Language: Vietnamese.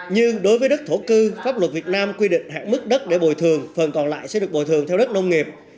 nhưng đối với đất thổ cư pháp luật việt nam quy định hạn mức đất để bồi thường phần còn lại sẽ được bồi thường theo đất nông nghiệp